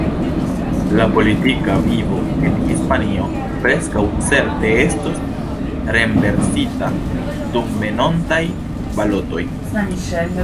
La politika vivo en Hispanio preskaŭ certe estos renversita dum venontaj balotoj.